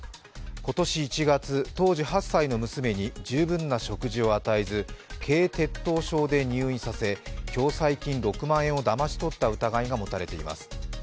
今年１月、当時８歳の娘に十分な食事を与えず、低血糖症で入院させ共済金６万円をだまし取った疑いが持たれています。